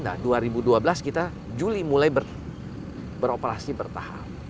nah dua ribu dua belas kita juli mulai beroperasi bertahap